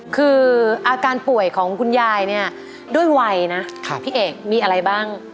คืออาการป่วยของคุณยายเนี่ยด้วยวัยนะพี่เอกมีอะไรบ้าง